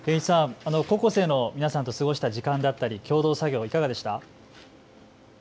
高校生の皆さんと過ごした時間だったり、共同作業、いかがでしたか。